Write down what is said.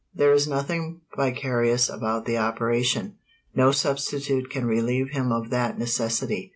There is nothing vicarious about the operation. No substitute can relieve him of that necessity.